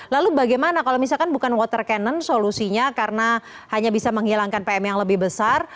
lalu bagaimana kalau misalkan bukan water cannon solusinya karena hanya bisa menghilangkan pm yang lebih besar